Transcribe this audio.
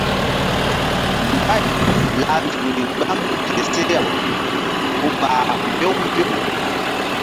Mbay lah nzukri gbam ke seh-aw ku ɓah mbew mbew.